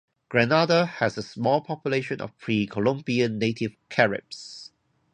Grenada has a small population of pre-Columbian native Caribs.